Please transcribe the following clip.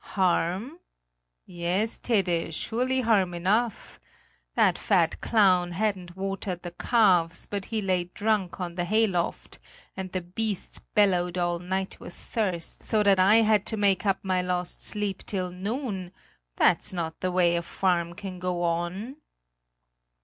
"Harm? Yes, Tede; surely harm enough! That fat clown hadn't watered the calves; but he lay drunk on the hayloft, and the beasts bellowed all night with thirst, so that I had to make up my lost sleep till noon; that's not the way a farm can go on!"